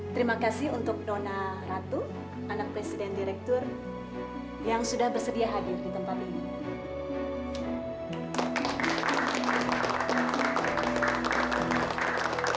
terima kasih untuk dona ratu anak presiden direktur yang sudah bersedia hadir di tempat ini